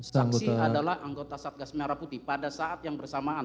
saksi adalah anggota satgas merah putih pada saat yang bersamaan